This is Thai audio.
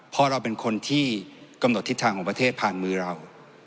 เพราะเราเป็นคนที่กำหนดทิศทางของประเทศผ่านมือเรา